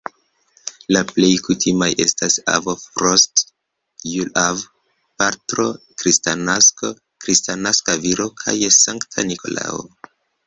La plej kutimaj estas "Avo Frosto", "Jul-Avo", "Patro Kristnasko", "Kristnaska Viro" kaj "Sankta Nikolao".